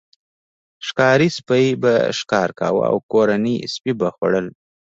ښکاري سپي به ښکار کاوه او کورني سپي به خوړل.